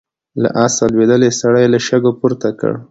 له آسه لوېدلی سړی يې له شګو پورته کړ.